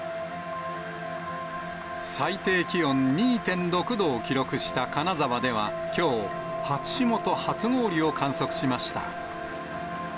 最低気温２．６度を記録した金沢ではきょう、初霜と初氷を観測しました。